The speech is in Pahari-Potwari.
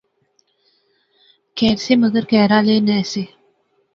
کہھر سے مگر کہھر آلے نہسے